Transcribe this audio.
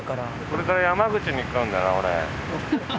これから山口に行くんだな俺。